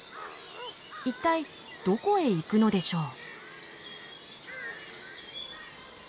一体どこへ行くのでしょう？